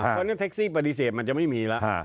เพราะฉะนั้นแท็กซี่ปฏิเสธมันจะไม่มีแล้ว